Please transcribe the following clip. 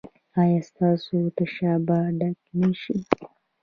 ایا ستاسو تشه به ډکه نه شي؟